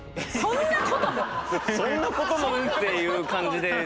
そんなこともっていう感じでねえ。